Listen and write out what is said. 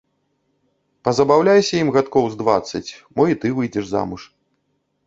Пазабаўляйся ім гадкоў з дваццаць, мо і ты выйдзеш замуж.